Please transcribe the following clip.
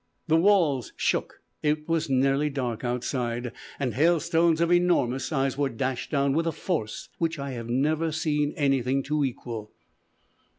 The walls shook. It was nearly dark outside, and hailstones of enormous size were dashed down with a force which I have never seen anything to equal.